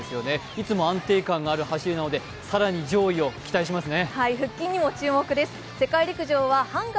いつも安定感がある走りなので更に上位を期待しますね。